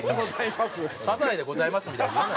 サザエでございますみたいに言うな。